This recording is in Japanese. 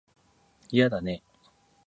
嫌だね